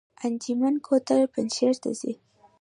انجمین کوتل پنجشیر ته ځي؟